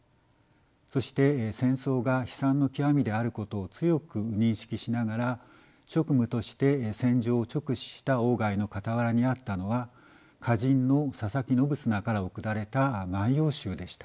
そして戦争が悲惨の極みであることを強く認識しながら職務として戦場を直視した外の傍らにあったのは歌人の佐佐木信綱から贈られた「万葉集」でした。